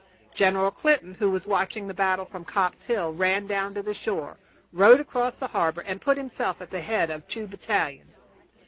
General Clinton, who was watching the battle from Copp's Hill, ran down to the shore, rowed across the harbor, and put himself at the head of two battalions.